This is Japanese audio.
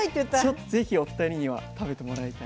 ちょっとぜひお二人には食べてもらいたい。